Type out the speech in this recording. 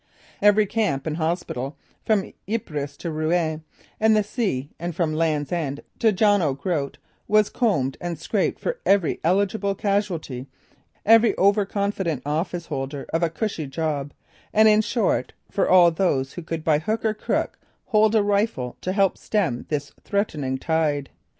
Every camp and hospital from Ypres to Rouen and the sea and from Land's End to John O' Groat was combed and scraped for every eligible casualty, every overconfident office holder of a "cushy" job, and in short, for all those who could by hook or crook hold a rifle to help stem this threatening tide.